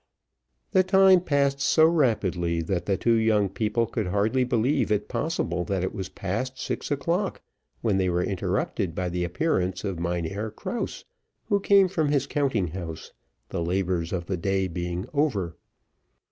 The time passed so rapidly, that the two young people could hardly believe it possible that it was past six o'clock, when they were interrupted by the appearance of Mynheer Krause, who came from his counting house, the labours of the day being over.